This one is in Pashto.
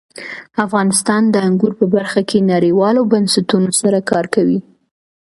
افغانستان د انګور په برخه کې نړیوالو بنسټونو سره کار کوي.